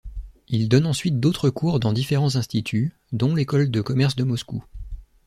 Il donne ensuite d'autres cours dans différents instituts, dont l'École de commerce de Moscou.